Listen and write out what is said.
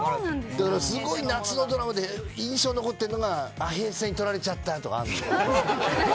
すごい夏のドラマで印象に残ってるのが平成に取られちゃったとかあるのよ。